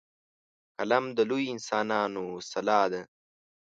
قلم د لویو انسانانو سلاح ده